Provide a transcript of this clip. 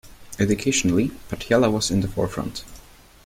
Educationally, Patiala was in the forefront.